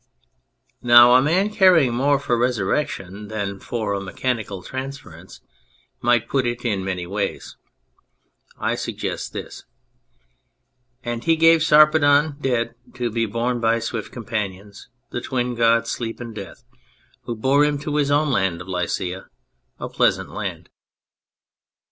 Now a man caring more for resurrection than for a 26 On the Simplicity of Words mechanical transference might put it in many ways I suggest this "And he gave Sarpedon dead to be borne by swift companions, the twin Gods Sleep and Death, who bore him to his own land of Lycia, a pleasant land."